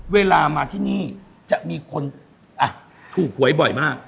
เวลามาที่นี่จะมีคนถูกหวยบ่อยมาก